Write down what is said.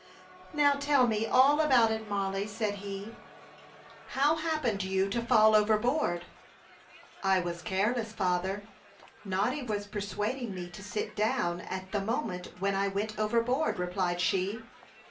"Now tell me all about it, Mollie," said he. "How happened you to fall overboard?" "I was careless, father. Noddy was persuading me to sit down at the moment when I went overboard," replied she.